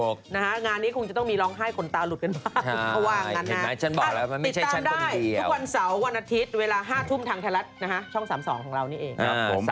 งานนี้คงจะต้องมีร้องไห้ขนตาหลุดกันบ้างเพราะว่างั้นนะติดตามได้ทุกวันเสาร์วันอาทิตย์เวลา๕ทุ่มทางไทยรัฐนะฮะช่อง๓๒ของเรานี่เอง